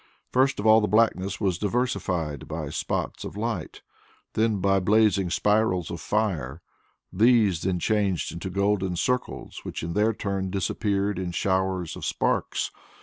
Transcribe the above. First of all the blackness was diversified by spots of light, then by blazing spirals of fire; these then changed into golden circles, which in their turn disappeared in showers of sparks.